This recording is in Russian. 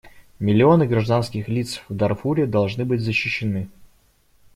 Миллионы гражданских лиц в Дарфуре должны быть защищены.